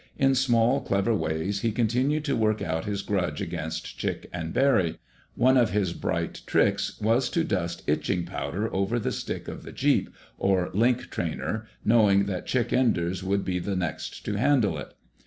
In small, clever ways he continued to work out his grudge against Chick and Barry. One of his bright tricks was to dust itching powder over the stick of the "Jeep," or Link Trainer, knowing that Chick Enders would be the next to handle it.